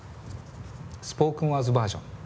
スポークン・ワーズバージョン。